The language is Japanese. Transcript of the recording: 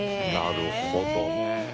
なるほどね。